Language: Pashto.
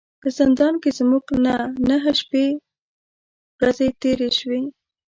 په زندان کې زموږ نه نهه شپې ورځې تیرې شوې.